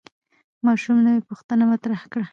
ماشوم نوې پوښتنه مطرح کړه